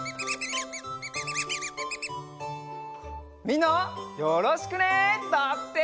「みんなよろしくね！」だって！